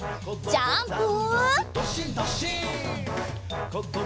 ジャンプ！